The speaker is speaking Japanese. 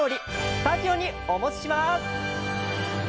スタジオにお持ちします！